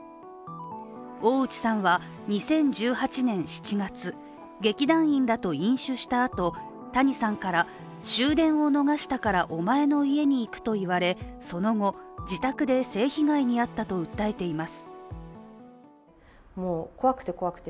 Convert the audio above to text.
大内さんは、２０１８年７月劇団員らと飲酒したあと谷さんから終電を逃したからお前の家に行くと言われその後、自宅で性被害に遭ったと訴えています。